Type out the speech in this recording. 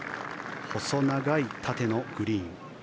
細長い縦のグリーン。